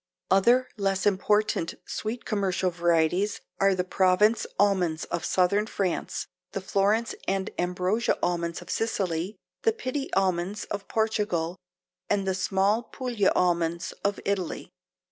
Other less important sweet commercial varieties are the Provence almonds of southern France, the Florence and Ambrosia almonds of Sicily, the Pitti almonds of Portugal and the small Puglia almonds of Italy.